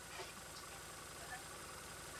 pamoja ni somo kwetu Hawa wawili Bush na Obama